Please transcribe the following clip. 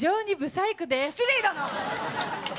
失礼だな！